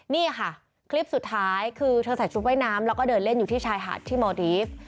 นี่ค่ะคลิปสุดท้ายคือเธอใส่ชุดว่ายน้ำแล้วก็เดินเล่นอยู่ที่ชายหาดที่มอลดีฟ